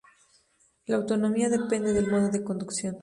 La autonomía depende del modo de conducción.